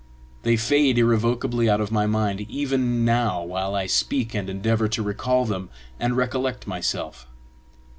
They fade irrevocably out of my mind even now while I speak and endeavor to recall them, and recollect myself.